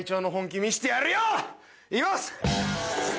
行きます。